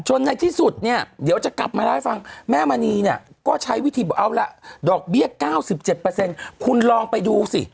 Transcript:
ในที่สุดเนี่ยเดี๋ยวจะกลับมาเล่าให้ฟังแม่มณีเนี่ยก็ใช้วิธีบอกเอาละดอกเบี้ย๙๗คุณลองไปดูสิ